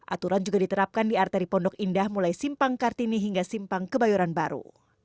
aturan juga diterapkan di arteri pondok indah mulai simpang kartini hingga simpang kebayoran baru